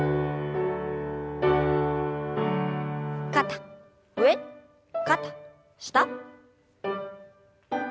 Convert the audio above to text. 肩上肩下。